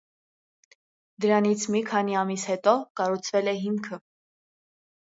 Դրանից մի քանի ամիս հետո կառուցվել է հիմքը։